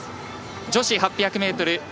女子８００ｍＴ